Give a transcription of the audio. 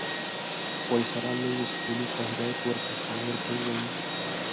وایسرا لیویس پیلي ته هدایت ورکړ چې امیر ته ووایي.